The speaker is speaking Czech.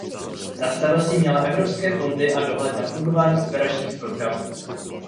Na starosti měla evropské fondy a dohled na fungování operačních programů.